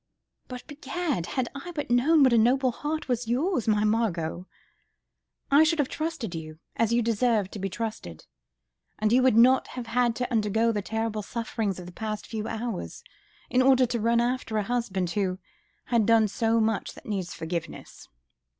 ... But, begad! had I but known what a noble heart yours was, my Margot, I should have trusted you, as you deserved to be trusted, and you would not have had to undergo the terrible sufferings of the past few hours, in order to run after a husband, who has done so much that needs forgiveness."